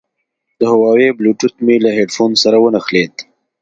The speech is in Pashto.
د هوواوي بلوتوت مې له هیډفون سره ونښلید.